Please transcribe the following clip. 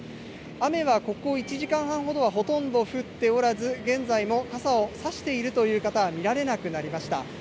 雨はここ１時間半ほどは、ほとんど降っておらず、現在も傘を差しているという方は見られなくなりました。